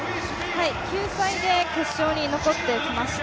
救済で決勝に残ってきました。